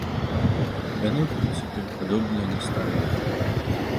Яны, у прынцыпе, падобныя на старыя.